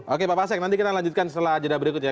oke bapak sik nanti kita lanjutkan setelah ajadah berikut ya